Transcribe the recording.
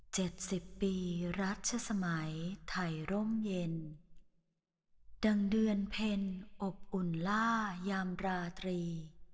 สิบปีรัชสมัยไทยร่มเย็นดังเดือนเพ็ญอบอุ่นล่ายามราตรี